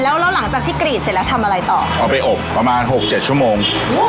แล้วแล้วหลังจากที่กรีดเสร็จแล้วทำอะไรต่อเอาไปอบประมาณหกเจ็ดชั่วโมง